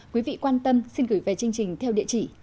quý vị quan tâm xin gửi về chương trình theo địa chỉ